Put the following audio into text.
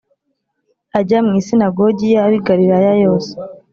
ajya mu masinagogi y ab i galilaya yose